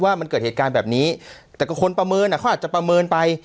ว่ามันเกิดเหตุการณ์แบบนี้แต่ก็คนประเมินอ่ะเขาอาจจะประเมินไป